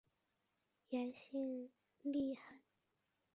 原姓粟根。